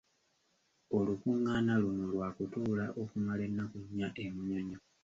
Olukungaana luno lwakutuula okumala ennaku nnya e Munyonyo.